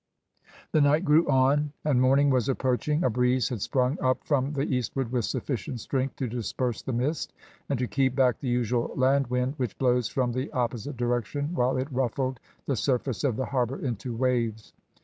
The night grew on, and morning was approaching. A breeze had sprung up from the eastward with sufficient strength to disperse the mist, and to keep back the usual land wind, which blows from the opposite direction, while it ruffled the surface of the harbour into waves.